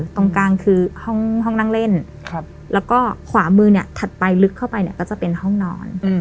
ตรงกลางคือห้องนั่งเล่นแล้วก็ขวามือเนี่ยถัดไปลึกเข้าไปเนี่ยก็จะเป็นห้องนอน